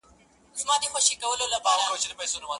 هغې ته دا حالت د ژوند تر ټولو دروند امتحان ښکاري،